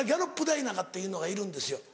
ダイナっていうのがいるんですよ。